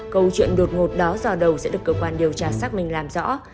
câu chuyện đột ngột đó giờ đầu sẽ được cơ quan điều tra xác minh làm rõ